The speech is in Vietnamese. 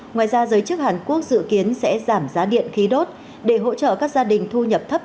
ngoài ra giới chức hàn quốc dự kiến sẽ giảm giá điện khí đốt để hỗ trợ các gia đình thu nhập thấp